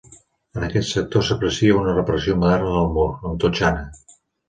En aquest sector s'aprecia una reparació moderna del mur, amb totxana.